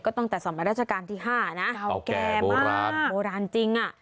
ก็ตั้งแต่สำราชการที่ห้าน่ะแก่มากโบราณเยอะกว้างโบราณจริงอ่ะ